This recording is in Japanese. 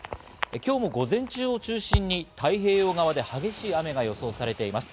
今日の午前中を中心に太平洋側で激しい雨が予想されています。